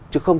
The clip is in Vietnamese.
chứ không có